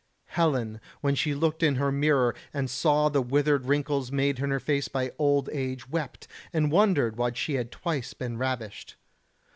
Helen, when she looked in her mirror and saw the withered wrinkles made in her face by old age, wept, and wondered why she had twice been ravished.